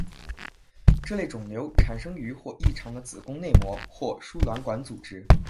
这类肿瘤产生于或异常的子宫内膜或输卵管组织。